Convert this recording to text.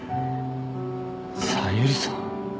小百合さん。